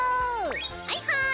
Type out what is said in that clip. はいはい！